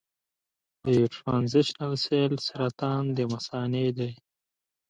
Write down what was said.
د ټرانزیشنل سیل سرطان د مثانې دی.